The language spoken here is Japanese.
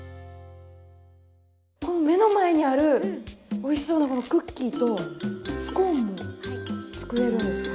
この目の前にあるおいしそうなこのクッキーとスコーンも作れるんですか？